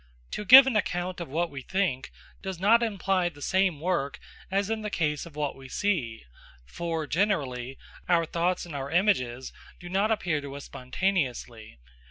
To give an account of what we think does not imply the same work as in the case of what we see; for, generally, our thoughts and our images do not appear to us spontaneously.